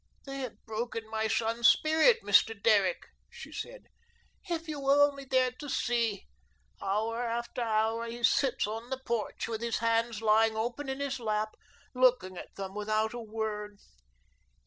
"They have broken my son's spirit, Mr. Derrick," she said. "If you were only there to see. Hour after hour, he sits on the porch with his hands lying open in his lap, looking at them without a word.